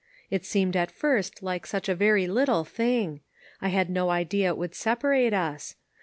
It seemed at first like such a very little thing. I had no idea it would separate us.